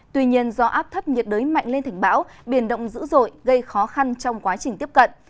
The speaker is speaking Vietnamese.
tuy nhiên do áp thấp nhiệt đới mạnh lên thành bão biển động dữ dội gây khó khăn trong quá trình tiếp cận